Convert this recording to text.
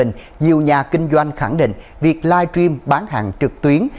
nhiều nhà kinh doanh khẳng định việc live stream bán hàng trực tuyến